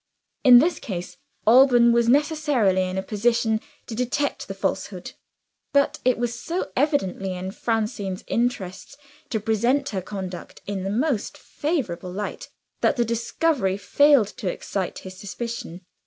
In this case, Alban was necessarily in a position to detect the falsehood. But it was so evidently in Francine's interests to present her conduct in the most favorable light, that the discovery failed to excite his suspicion.